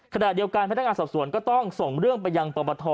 ขณะเดียวกันพนักงานสอบสวนก็ต้องส่งเรื่องไปยังปปท